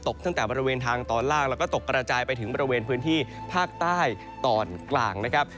ตั้งแต่บริเวณทางตอนล่างแล้วก็ตกกระจายไปถึงบริเวณพื้นที่ภาคใต้ตอนกลางนะครับ